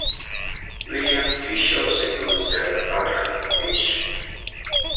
William Fisher secured the Republican nomination.